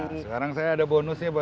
nah sekarang saya ada bonusnya bagi saya